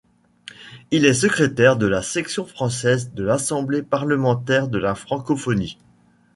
Il est secrétaire de la Section française de l'Assemblée parlementaire de la Francophonie.